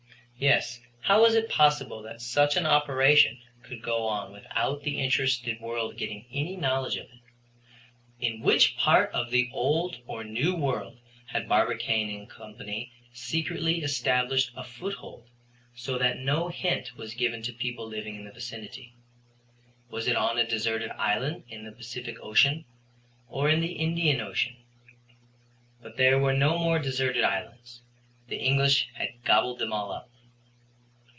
yes, how was it possible that such an operation could go on without the interested world getting any knowledge of it. In which part of the Old or New World had Barbicane & Co. secretly established a foothold so that no hint was given to people living in the vicinity? Was it on a deserted island in the Pacific Ocean or in the Indian Ocean? But there were no more deserted islands: the English had gobbled them all up.